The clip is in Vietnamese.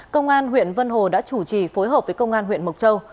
công an huyện vân hồ đã chủ trì phối hợp với công an huyện mộc châu